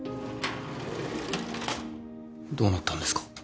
どうなったんですか？